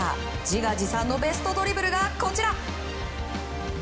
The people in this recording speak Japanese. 自画自賛のベストドリブルがこちら。